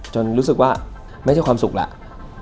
รู้สึกว่าไม่ใช่ความสุขแล้ว